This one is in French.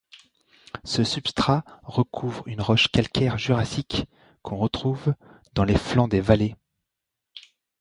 Ce substrat recouvre une roche calcaire jurassique qu'on retrouve dans les flancs des vallées.